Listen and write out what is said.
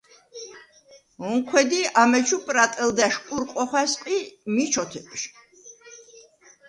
ონჴვედ ი ამეჩუ პრატჷლდა̈შ ყურყვ ოხა̈სყ ი მი ჩოთეპჟ.